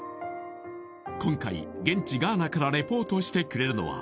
今回現地ガーナからリポートしてくれるのは